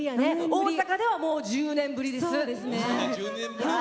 大阪では、もう１０年ぶりです。